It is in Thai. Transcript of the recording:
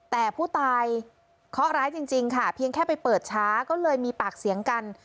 แต่ผู้ตายเคาะร้ายจริงค่ะเพียงแค่ไปเปิดช้าก็เลยมีปากเสียงกัน